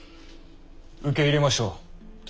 受け入れましょう殿。